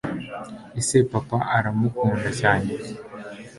ese papa aramukunda cyane